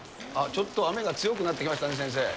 ちょっと雨が強くなってきましたね、先生。